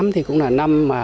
thì cũng là năm